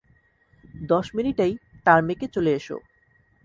দশ মিনিটেই টার্মেকে চলে এসো।